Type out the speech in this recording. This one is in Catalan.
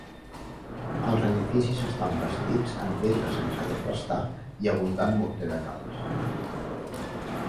Els edificis estan bastits amb pedra sense desbastar i abundant morter de calç.